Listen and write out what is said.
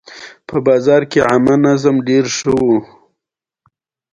بې نظمی روانه وه.